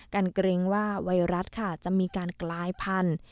เกรงว่าไวรัสค่ะจะมีการกลายพันธุ์